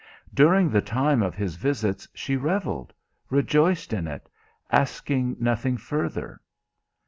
During the time of his visits she revelled, rejoiced in it, asking nothing further.